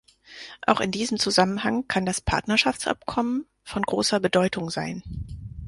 Auch in diesem Zusammenhang kann das Partnerschaftsabkommen von großer Bedeutung sein.